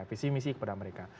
visi misi kepada mereka